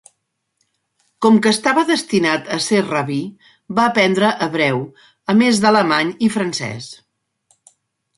Com que estava destinat a ser rabí, va aprendre hebreu, a més d'alemany i francès.